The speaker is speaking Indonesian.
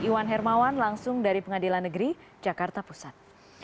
iwan hermawan langsung dari pengadilan negeri jakarta pusat